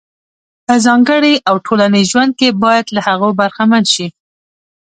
په ځانګړي او ټولنیز ژوند کې باید له هغو برخمن شي.